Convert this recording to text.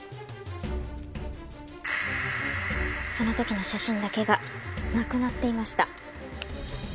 その時の写真だけがなくなっていました。